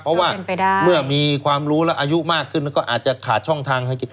เพราะว่าเมื่อมีความรู้แล้วอายุมากขึ้นก็อาจจะขาดช่องทางให้